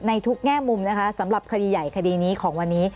ในทุกแง่มุมนะคะสำหรับคดีใหญ่คดีนี้ของวันนี้